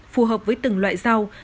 phù hợp với từng loại rau